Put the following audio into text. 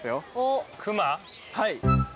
はい。